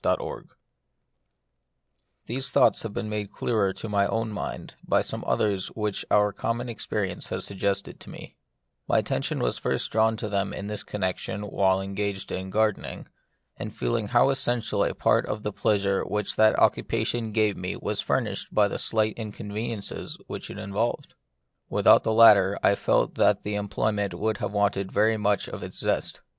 TT S HESE thoughts have been made clearer to my own mind by some others which our common experience has suggested to me, My attention was first drawn to them in this connexion while engaged in gardening, and feeling how essential a part of the pleasure which that occupation gave was furnished by the slight inconveniences which it involved. Without the latter, I felt that the employ ment would have wanted very much of its zest.